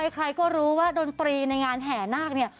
ใครก็รู้ว่าดนตรีในงานแห่นาก